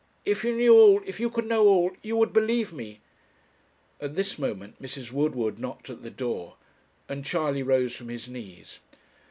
If you knew all, if you could know all, you would believe me.' At this moment Mrs. Woodward knocked at the door, and Charley rose from his knees.